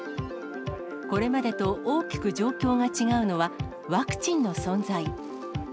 これまでと大きく状況が違うのは、ワクチンの存在。